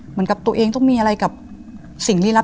เหมือนกับตัวเองต้องมีอะไรกับสิ่งลี้ลับ